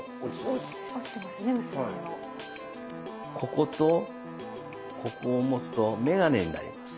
こことここを持つと眼鏡になります。